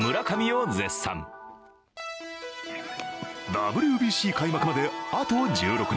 ＷＢＣ開幕まで、あと１６日。